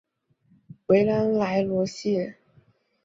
维兰莱罗谢。